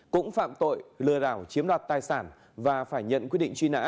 cũng phạm tội lừa đảo chiếm đoạt tài sản và phải nhận quyết định truy nã